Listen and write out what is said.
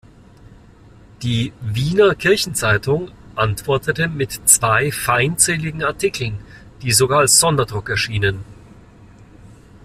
Die "Wiener Kirchenzeitung" antwortete mit zwei feindseligen Artikeln, die sogar als Sonderdruck erschienen.